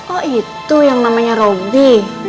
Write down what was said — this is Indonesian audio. oh itu yang namanya roby